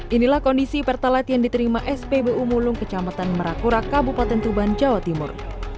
inilah kondisi pertalite yang diterima spbu mulung kecamatan merakura kabupaten tuban jawa timur